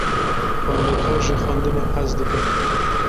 Xwendekar ji xwendinê hez dikin.